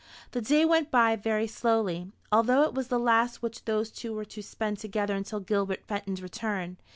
The day went by very slowly, although it was the last which those two were to spend together until Gilbert Fenton's return.